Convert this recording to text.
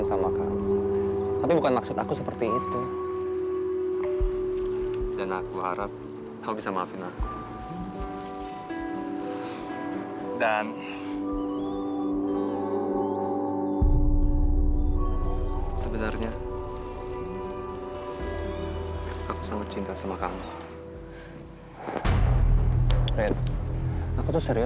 sampai jumpa di video selanjutnya